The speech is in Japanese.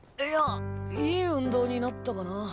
いやいい運動になったかな。